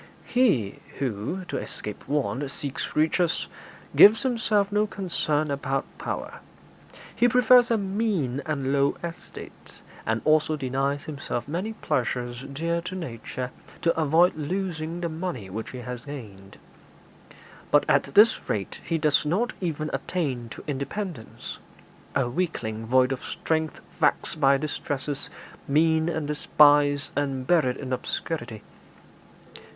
'He who, to escape want, seeks riches, gives himself no concern about power; he prefers a mean and low estate, and also denies himself many pleasures dear to nature to avoid losing the money which he has gained. But at this rate he does not even attain to independence a weakling void of strength, vexed by distresses, mean and despised, and buried in obscurity.